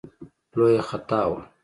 لویه خطا وه.